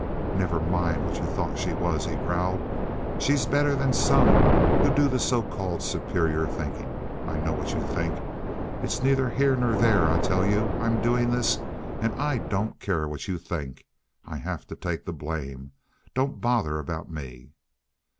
"Never mind what you thought she was," he growled. "She's better than some who do the so called superior thinking. I know what you think. It's neither here nor there, I tell you. I'm doing this, and I don't care what you think. I have to take the blame. Don't bother about me."